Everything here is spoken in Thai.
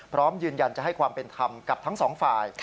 พร้อมยืนยันจะให้ความเป็นธรรมกับทั้งสองฝ่าย